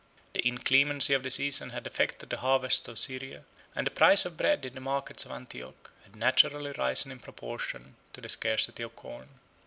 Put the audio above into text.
The inclemency of the season had affected the harvests of Syria; and the price of bread, 15 in the markets of Antioch, had naturally risen in proportion to the scarcity of corn.